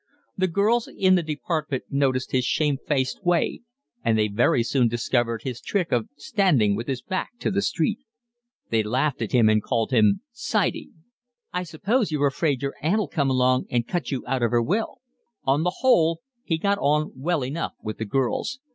The girls in the department noticed his shamefaced way, and they very soon discovered his trick of standing with his back to the street. They laughed at him and called him 'sidey.' "I suppose you're afraid your aunt'll come along and cut you out of her will." On the whole he got on well enough with the girls.